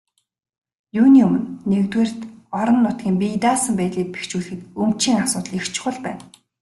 Юуны өмнө, нэгдүгээрт, орон нутгийн бие даасан байдлыг бэхжүүлэхэд өмчийн асуудал их чухал байна.